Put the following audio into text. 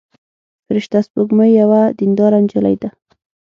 فرشته سپوږمۍ یوه دينداره نجلۍ ده.